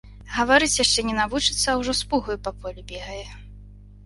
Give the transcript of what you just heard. Гаварыць яшчэ не навучыцца, а ўжо з пугаю па полі бегае.